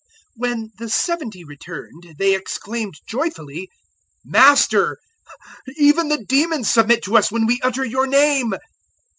010:017 When the Seventy returned, they exclaimed joyfully, "Master, even the demons submit to us when we utter your name."